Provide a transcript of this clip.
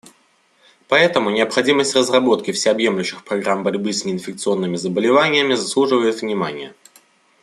Поэтому необходимость разработки всеобъемлющих программ борьбы с неинфекционными заболеваниями заслуживает внимания.